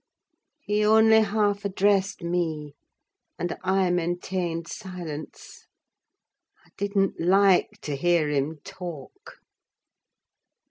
He only half addressed me, and I maintained silence. I didn't like to hear him talk!